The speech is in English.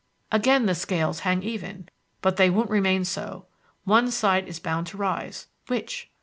"Again the scales hang even. But they won't remain so. One side is bound to rise. Which?